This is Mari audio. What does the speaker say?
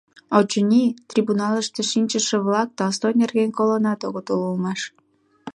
Очыни, трибуналыште шинчыше-влак Толстой нерген колынат огытыл улмаш.